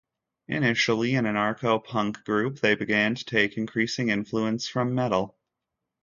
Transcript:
Initially an anarcho-punk group, they began to take increasing influence from metal.